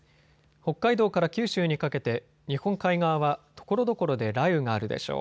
北海道から九州にかけて日本海側はところどころで雷雨があるでしょう。